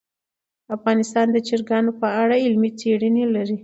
افغانستان د چرګانو په اړه علمي څېړني لري.